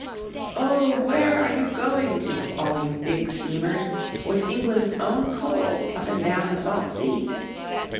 "OH, where are you going to, all you Big Steamers, With England's own coal, up and down the salt seas?"